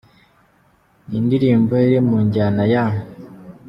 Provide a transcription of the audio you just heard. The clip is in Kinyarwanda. Ni indirimbo iri mu njyana ya.